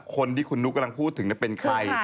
คนที่คุณนุ๊กกำลังพูดถึงเป็นใคร